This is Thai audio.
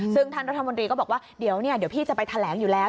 ซึ่งท่านรัฐมนตรีก็บอกว่าเดี๋ยวพี่จะไปแถลงอยู่แล้ว